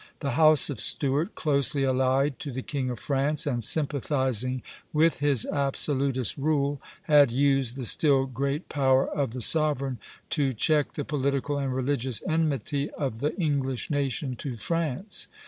The House of Stuart, closely allied to the King of France, and sympathizing with his absolutist rule, had used the still great power of the sovereign to check the political and religious enmity of the English nation to France.